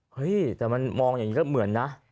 เฮ้ยแต่มันมองอย่างนี้ก็เหมือนนะ